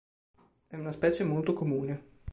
È una specie molto comune.